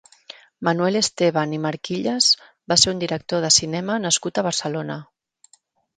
Manuel Esteban i Marquilles va ser un director de cinema nascut a Barcelona.